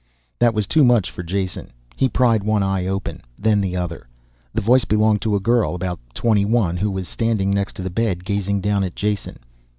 That was too much for Jason. He pried one eye open, then the other. The voice belonged to a girl about twenty one who was standing next to the bed, gazing down at Jason.